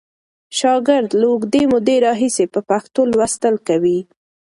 شاګرد له اوږدې مودې راهیسې په پښتو لوستل کوي.